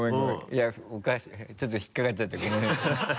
いやちょっと引っかかっちゃってごめん。